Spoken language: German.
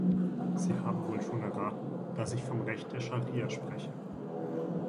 Sie haben wohl schon erraten, dass ich vom Recht der Scharia spreche.